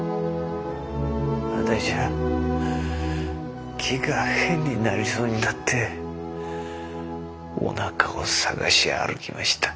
私は気が変になりそうになっておなかを捜し歩きました。